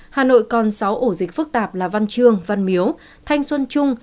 hà nội còn sáu ổ dịch phức tạp là văn trương văn miếu thanh xuân trung